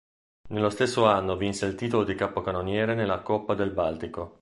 Nello stesso anno vinse il titolo di capocannoniere nella Coppa del Baltico.